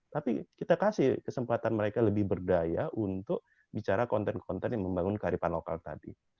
tapi kita kasih kesempatan mereka lebih berdaya untuk bicara konten konten yang membangun kearifan lokal tadi